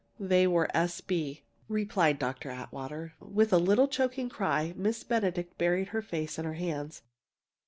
"They were 'S. B.,'" replied Dr. Atwater. With a little choking cry, Miss Benedict buried her face in her hands.